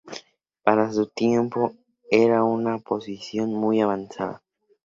Para su tiempo era una posición muy avanzada.